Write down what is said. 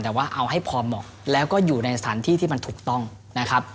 แต่ว่าเอาให้พอเหมาะแล้วก็อยู่ในสถานที่ที่มันถูกต้องนะครับ